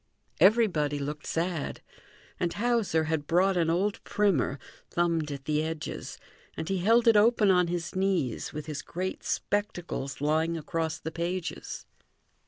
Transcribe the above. Everybody looked sad; and Hauser had brought an old primer, thumbed at the edges, and he held it open on his knees with his great spectacles lying across the pages.